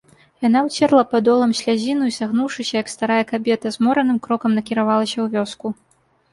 Яна ўцерла падолам слязіну і, сагнуўшыся, як старая кабета, змораным крокам накіравалася ў вёску.